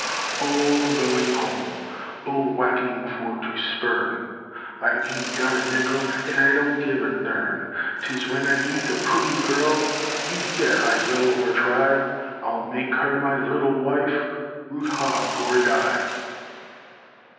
Oh, I'm going home Bull whacking for to spurn, I ain't got a nickel, And I don't give a dern. 'Tis when I meet a pretty girl, You bet I will or try, I'll make her my little wife, Root hog or die.